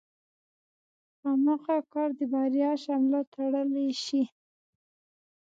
هماغه کار د بريا شمله تړلی شي.